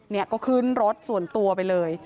เนี่ยก็ขึ้นรถส่วนตัวไปเลย